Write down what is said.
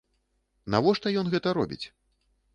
Навошта ён гэта робіць?